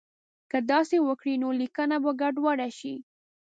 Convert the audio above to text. که داسې وکړي نو لیکنه به ګډوډه شي.